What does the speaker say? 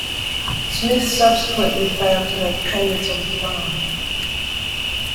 Smith subsequently failed to make payments on the farm.